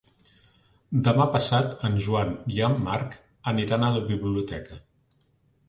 Demà passat en Joan i en Marc aniran a la biblioteca.